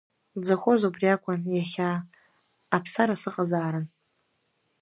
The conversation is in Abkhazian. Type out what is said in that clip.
Дзыхәоз убри акәын, иахьа Аԥсара сыҟазаарын.